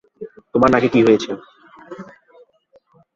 তোমার নাকে কি হয়েছে?